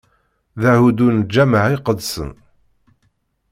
D ahuddu n Lǧameɛ iqedsen.